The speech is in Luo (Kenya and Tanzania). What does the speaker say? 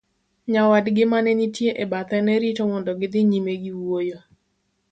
nyawadgi manenitie e bathe ne rite mondo gi dhi nyime gi wuoyo